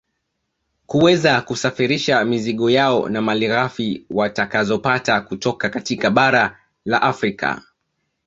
Kuweza kusafirisha mizigo yao na malighafi watakazopata kutoka katika bara la Afrika